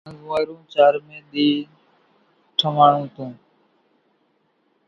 انزوئارو چارمي ۮي ٺۿاڻون تون